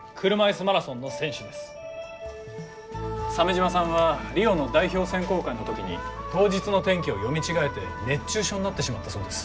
鮫島さんはリオの代表選考会の時に当日の天気を読み違えて熱中症になってしまったそうです。